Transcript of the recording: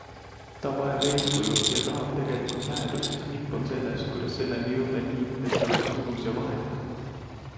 Ta vajab eeskuju ja tahab tegelikult lähedust, nipp on selles, kuidas selleni jõuda nii, et see oleks mõnus ja vahetu.